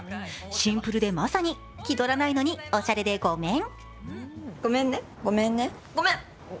シンプルで、まさに「気どらないのにおしゃれでゴメン」。